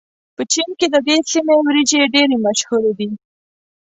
په چين کې د دې سيمې وريجې ډېرې مشهورې دي.